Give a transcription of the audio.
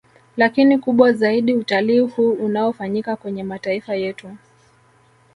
Lakini kubwa zaidi utalii huu unaofanyika kwenye mataifa yetu